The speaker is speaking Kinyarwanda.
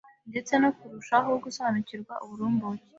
ndetse no kurushaho gusobanukirwa uburumbuke